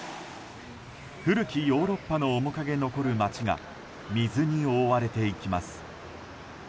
古きヨーロッパの面影残る街が水に覆われていきます。